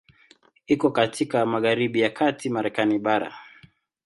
Iko katika magharibi kati ya Marekani bara.